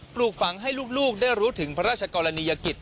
ปลูกฝังให้ลูกได้รู้ถึงพระราชกรณียกิจ